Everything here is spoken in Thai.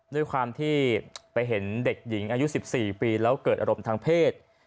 ด้วยความที่ไปเห็นเด็กหญิงอายุ๑๔ปีแล้วเกิดอารมณ์ทางเพศ